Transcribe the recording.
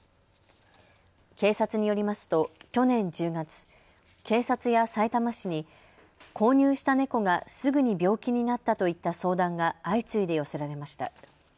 警察によりますと去年１０月、警察やさいたま市に購入した猫がすぐに病気になったといった相談が相次いで寄せられました。